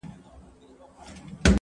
لا ترڅو به وچ په ښاخ پوري ټالېږم-